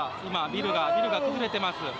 今ビルがビルが崩れてます。